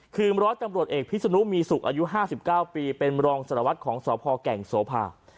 คือร้อยตำรวจเอกพิศนุมีสุขอายุ๕๙ปีเป็นรองสารวัตรของสพแก่งโสภา